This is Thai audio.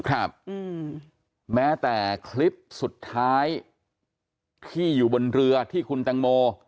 ครับแม้แต่คลิปสุดท้ายที่อยู่บนเรือที่คุณแตงโม